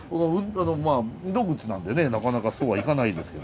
まあ運動靴なんでねなかなかそうはいかないですけど。